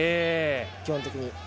基本的に。